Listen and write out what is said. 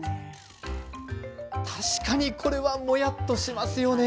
確かにこれはモヤっとしますよね。